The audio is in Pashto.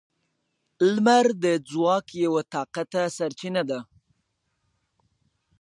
• لمر د ځواک یوه طاقته سرچینه ده.